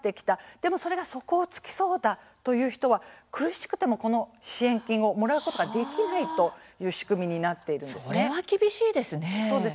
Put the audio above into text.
でも、それが底をつきそうだという人は苦しくてもこの支援金をもらえることができないという仕組みになっているんです。